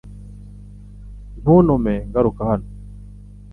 Ntuntume ngaruka hano .